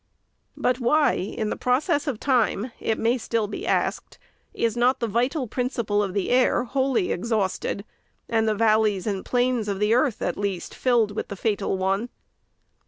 But why, in process of time, it may still be asked, is not the vital principle of the air wholly exhausted, and the valleys and plains of the earth, at least, filled with the fatal one